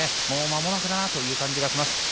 もうまもなくだなという感じがします。